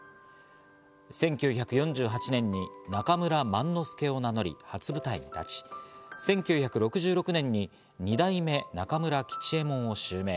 １９４８年に中村萬之助を名乗り初舞台に立ち、１９６６年に二代目中村吉右衛門を襲名。